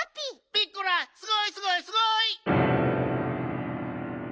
ピッコラすごいすごいすごい！